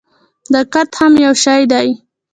دقت هم یو شی دی.